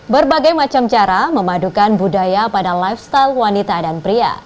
berbagai macam cara memadukan budaya pada lifestyle wanita dan pria